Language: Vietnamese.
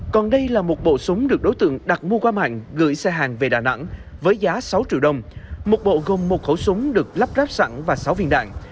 còn đây là một bộ súng được đối tượng đặt mua qua mạng gửi xe hàng về đà nẵng với giá sáu triệu đồng một bộ gồm một khẩu súng được lắp ráp sẵn và sáu viên đạn